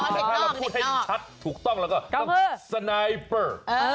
แต่ถ้าเราพูดให้ชัดถูกต้องแล้วก็สไนเปอร์